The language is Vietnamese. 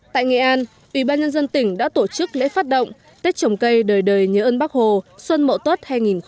tại nghệ an ủy ban nhân dân tỉnh đã tổ chức lễ phát động tết trồng cây đời đời nhớ ơn bác hồ xuân mậu tốt hai nghìn hai mươi